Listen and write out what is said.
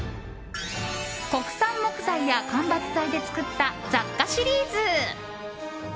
国産木材や間伐材で作った雑貨シリーズ。